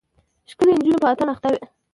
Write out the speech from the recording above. ښکلې نجونه په اتڼ اخته وې.